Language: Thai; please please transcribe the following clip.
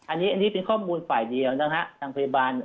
อันนี้เป็นข้อมูลฝ่ายเดียวนะฮะทางพยาบาล